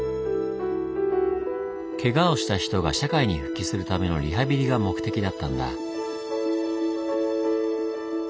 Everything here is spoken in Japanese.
ケガをした人が社会に復帰するためのリハビリが目的だったんだ。